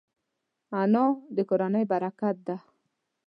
انا د کورنۍ برکت ده